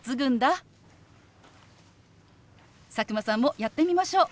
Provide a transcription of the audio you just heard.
佐久間さんもやってみましょう。